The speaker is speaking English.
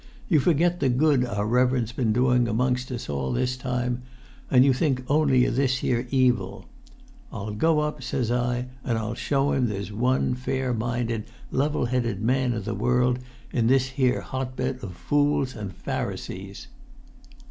You forget the good our reverend's been doing amongst us all this time, and you think only o' this here evil. I'll go up,' says I, 'and I'll show him there's one fair minded, level headed man o' the world in this here hotbed o' fools and Pharisees.'"